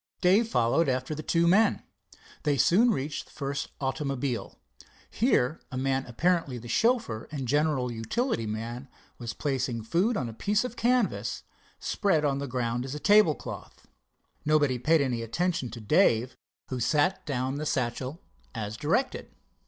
Dave followed after the two men. They soon reached the first automobile. Here a man, apparently the chauffeur and general utility man, was placing food on a piece of canvas spread on the ground as a tablecloth. Nobody paid any attention to Dave, who set down the satchel as directed.